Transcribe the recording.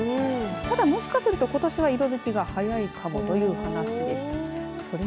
ただ、もしかするとことしは色づきが早いかもということです。